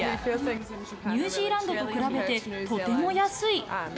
ニュージーランドと比べて、とても安い。